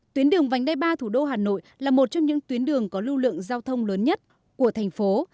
tuyến đường vành đai ba thủ đô hà nội là một trong những tuyến đường có lưu lượng giao thông lớn nhất của thành phố